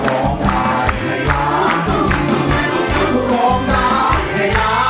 โอเค